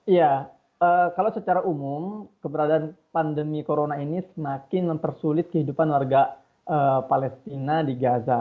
iya kalau secara umum keberadaan pandemi corona ini semakin mempersulit kehidupan warga palestina di gaza